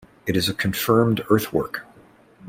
It is a confirmed earthwork.